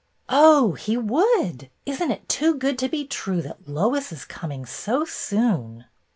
"Oh, he would! Isn't it too good to be true that Lois is coming so soon